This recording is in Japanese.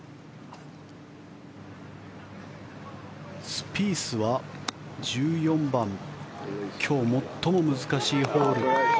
スピースは１４番今日最も難しいホール。